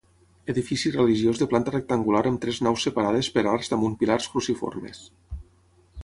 Edifici religiós de planta rectangular amb tres naus separades per arcs damunt pilars cruciformes.